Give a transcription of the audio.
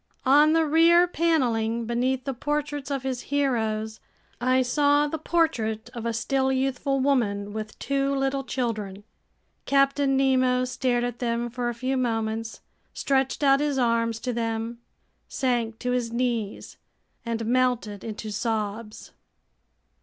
On the rear paneling, beneath the portraits of his heroes, I saw the portrait of a still youthful woman with two little children. Captain Nemo stared at them for a few moments, stretched out his arms to them, sank to his knees, and melted into sobs.